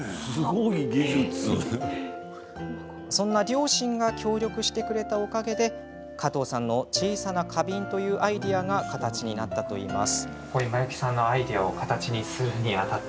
そんな両親が協力してくれたおかげで加藤さんの小さな花瓶というアイデアが形になったといいます。